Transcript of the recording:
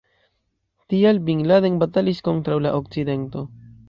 Tial Bin Laden batalis kontraŭ la Okcidento.